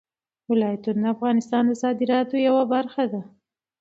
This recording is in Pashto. ولایتونه د افغانستان د صادراتو یوه برخه ده.